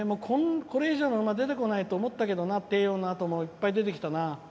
これ以上の馬、出てこないと思ったけどテイオーのあともいっぱい出てきたな。